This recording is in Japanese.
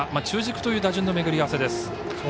中軸という打順のめぐり合わせです。